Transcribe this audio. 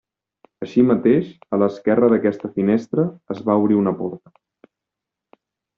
Així mateix, a l'esquerra d'aquesta finestra, es va obrir una porta.